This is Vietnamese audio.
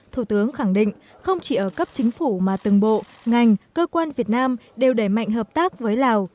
thủ tướng khẳng định không chỉ ở cấp chính phủ mà từng bộ ngành cơ quan việt nam đều đẩy mạnh hợp tác với lào